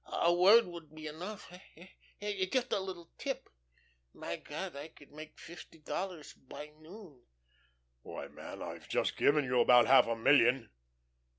A word would be enough, hey? hey? Just a little tip. My God, I could make fifty dollars by noon." "Why, man, I've just given you about half a million."